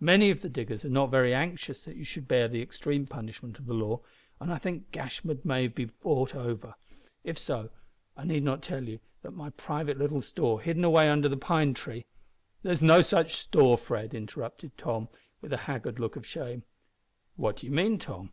Many of the diggers are not very anxious that you should bear the extreme punishment of the law, and I think Gashford may be bought over. If so, I need not tell you that my little private store hidden away under the pine tree " "There is no such store, Fred," interrupted Tom, with a haggard look of shame. "What do you mean, Tom?"